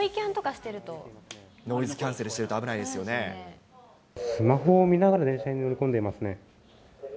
ノイズキャンセルしてると危スマホを見ながら、電車に乗り込んでいますね。